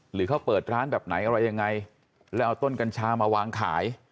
หรือเขาเปิดร้านแบบไหนอะไรยังไงแล้วเอาต้นกัญชามาวางขาย